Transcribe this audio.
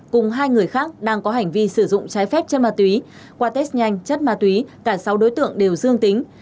cùng hai người khác đang có hành vi sử dụng trái phép chất ma túy qua test nhanh chất ma túy cả sáu đối tượng đều dương tính